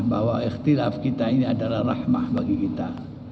bahwa ektiraf kita ini adalah rahmah bagi kita